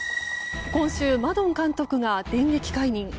今週マドン監督が電撃解任。